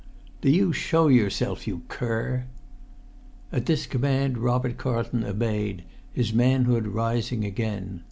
"Do you show yourself, you cur!" And this command Robert Carlton obeyed, his manhood rising yet again.